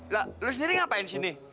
lah lo sendiri ngapain di sini